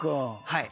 はい。